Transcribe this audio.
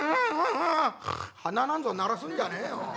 「鼻なんぞ鳴らすんじゃねえよ」。